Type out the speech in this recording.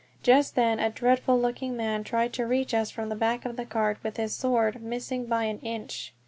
Just then a dreadful looking man tried to reach us from the back of the cart with his sword, missing by an inch.